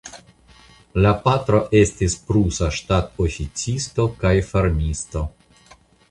La patro estis prusa ŝtatoficisto kaj farmisto.